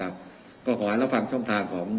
ถ้าสาบนะครับก็ขอให้รับฟังช่องทางของ